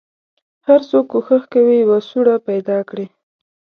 هر څوک کوښښ کوي یوه سوړه پیدا کړي.